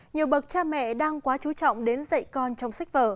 nhiều bậc cha mẹ đang quá chú trọng đến dạy con trong sách vở